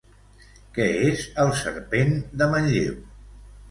Què és El Serpent de Manlleu?